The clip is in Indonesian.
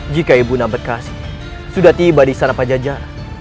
jika ibu ndamberkasi sudah tiba di istana pajajara